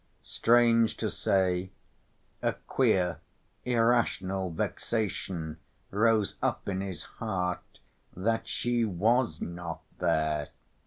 Strange to say, a queer, irrational vexation rose up in his heart that she was not here.